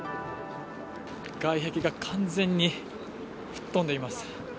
外壁が完全に吹っ飛んでいます。